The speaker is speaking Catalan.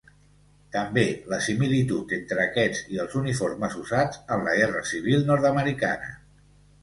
També la similitud entre aquests i els uniformes usats en la Guerra civil nord-americana.